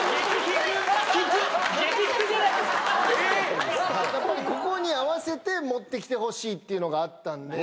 やっぱりここに合わせて持ってきてほしいのがあったんで。